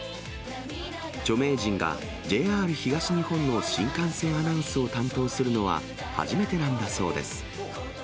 著名人がＪＲ東日本の新幹線アナウンスを担当するのは初めてなんだそうです。